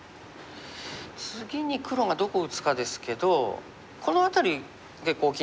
次に黒がどこ打つかですけどこの辺り結構大きいんですよ。